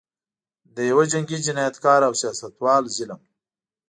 د یوه جنګي جنایتکار او سیاستوال ظلم.